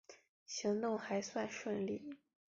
行动还算顺利